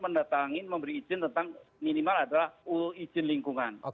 mendatangi memberi izin tentang minimal adalah izin lingkungan